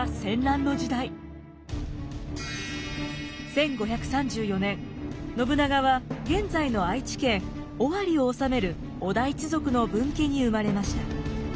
１５３４年信長は現在の愛知県尾張を治める織田一族の分家に生まれました。